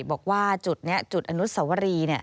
บอกว่าจุดนี้จุดอนุสวรี